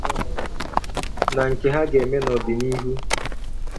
na nke ha ga-eme n'ọdịnihu